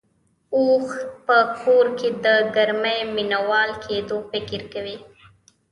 اوښ په کور کې د ګرمۍ مينه وال کېدو فکر کوي.